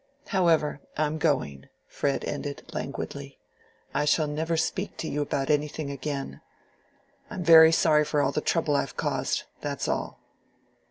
However, I'm going," Fred ended, languidly. "I shall never speak to you about anything again. I'm very sorry for all the trouble I've caused—that's all."